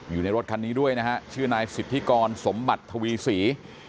อยู่ในรถคันนี้ด้วยนะฮะชื่อนายสิทธิกรสมบัติทวีศรี